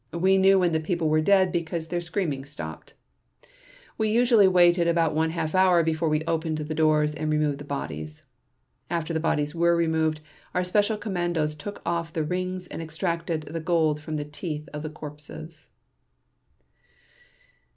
We knew when the people were dead because their screaming stopped. We usually waited about one half hour before we opened the doors and removed the bodies. After the bodies were removed our special commandos took off the rings and extracted the gold from the teeth of the corpses."